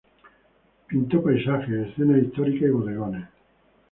Pintó paisajes, escenas históricas y bodegones.